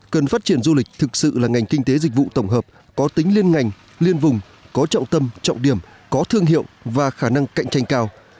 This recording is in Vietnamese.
cần phát triển du lịch thực sự là ngành kinh tế dịch vụ tổng hợp có tính liên ngành liên vùng có trọng tâm trọng điểm có thương hiệu và khả năng cạnh tranh cao